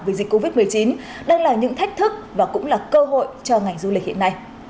vì dịch covid một mươi chín đang là những thách thức và cũng là cơ hội cho ngành du lịch hiện nay